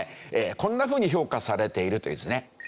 こんなふうに評価されているというんですね。